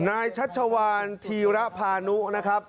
ชัชวานธีระพานุนะครับ